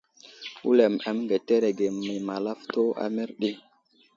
Wulem aməŋgeterege ma I malafto a mərɗi.